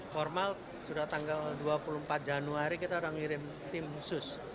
formal sudah tanggal dua puluh empat januari kita sudah ngirim tim khusus